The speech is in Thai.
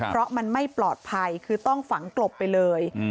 เพราะมันไม่ปลอดภัยคือต้องฝังกลบไปเลย